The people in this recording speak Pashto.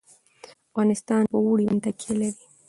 افغانستان په اوړي باندې تکیه لري.